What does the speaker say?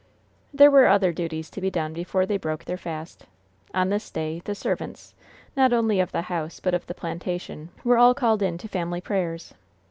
There were other duties to be done before they broke their fast. On this day, the servants, not only of the house, but of the plantation, were all called in to family prayers.